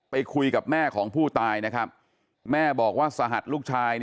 ไปคุยกับแม่ของผู้ตายนะครับแม่บอกว่าสหัสลูกชาย